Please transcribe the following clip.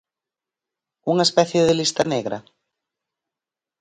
Unha especie de lista negra?